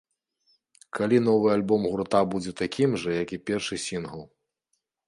Калі новы альбом гурта будзе такім жа, як і першы сінгл.